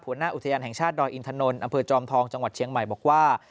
หัวหน้าอุทยานแห่งชาติดอยอินทนนท์อำเภอจอมทองจังหวัดเชียงใหม่บอกว่า